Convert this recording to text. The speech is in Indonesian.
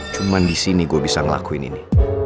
cuma di sini gue bisa ngelakuin ini